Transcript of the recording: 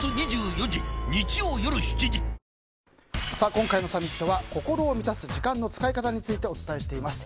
今回のサミットは心を満たす時間の使い方についてお伝えしています。